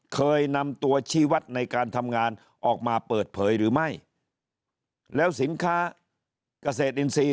เคยนำตัวชีวัตรในการทำงานออกมาเปิดเผยหรือไม่แล้วสินค้าเกษตรอินทรีย์